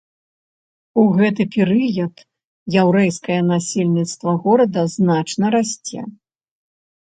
У гэты перыяд яўрэйскае насельніцтва горада значна расце.